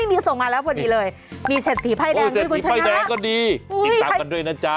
มีส่งมาแล้ววันนี้เลยมีเศรษฐีไพร่แดงมีคนชนะ